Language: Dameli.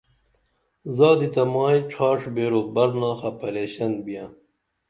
زادی تہ مائی چھاش بیرو برناخہ پریشن بیاں